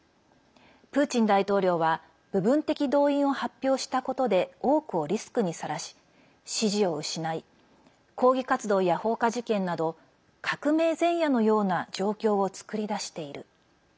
プーチン大統領は部分的動員を発表したことで多くをリスクにさらし支持を失い抗議活動や放火事件など革命前夜のような状況を作り出している。